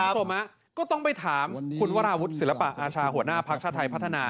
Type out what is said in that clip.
ครับต้องไปถามคุณวราวุธศิลปะอาชาหัวหน้าพักชาติไทยพัฒนา